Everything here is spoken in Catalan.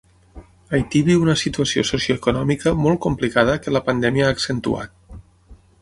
Haití viu una situació socioeconòmica molt complicada que la pandèmia ha accentuat.